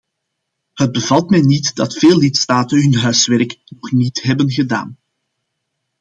Het bevalt mij niet dat veel lidstaten hun huiswerk nog niet hebben gedaan.